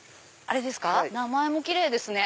名前もキレイですね。